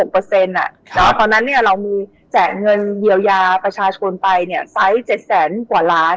เพราะฉะนั้นเรามีแสดงเงินเหยี่ยวยาประชาชนไปตรงไฟล์แสดงเงินเป็น๗แสนกว่าล้าน